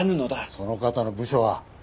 その方の部署は？